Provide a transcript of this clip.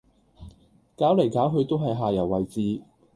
搞嚟搞去都係下游位置